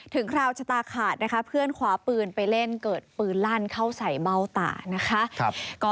คราวชะตาขาดนะคะเพื่อนขวาปืนไปเล่นเกิดปืนลั่นเข้าใส่เบ้าตานะคะ